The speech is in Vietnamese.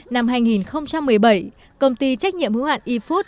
năm hai nghìn một mươi bảy công ty trách nhiệm hữu hạn efood